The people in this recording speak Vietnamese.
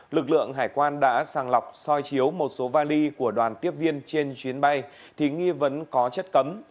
lực lượng hải quan đã sàng lọc soi chiếu một số vali của đoàn tiếp viên trên chuyến bay thì nghi vấn có chất cấm